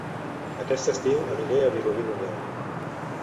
Aquest estiu aniré a Vilobí d'Onyar